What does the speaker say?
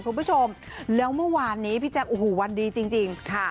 คุณผู้ชมแล้วเมื่อวานนี้พี่แจ๊คโอ้โหวันดีจริงค่ะ